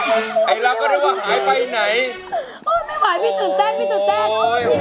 กลับมากก่อนเป็นกำลังจะคำว่าพี่หายไปไหน